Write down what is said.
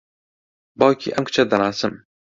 باوکی ئەم کچە دەناسم.